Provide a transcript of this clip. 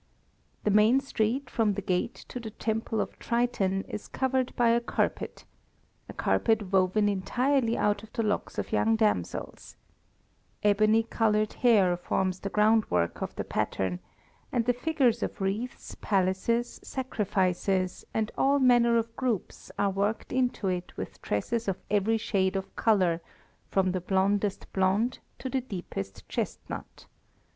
The main street, from the gate to the Temple of Triton, is covered by a carpet a carpet woven entirely out of the locks of young damsels. Ebony coloured hair forms the groundwork of the pattern, and the figures of wreaths, palaces, sacrifices, and all manner of groups are worked into it with tresses of every shade of colour from the blondest blonde to the deepest chestnut.